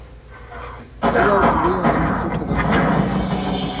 کُھلاؤ ان٘گُویؤں ہِن کُوٹھہ دھؤں سنت تھُو۔